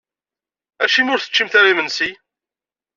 Acimi ur teččimt ara imensi?